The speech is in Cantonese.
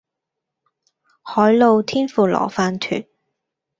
海老天婦羅飯糰